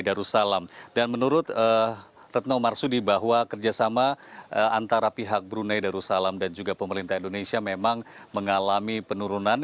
dan menurut retno marsudi bahwa kerjasama antara pihak brunei darussalam dan juga pemerintah indonesia memang mengalami penurunan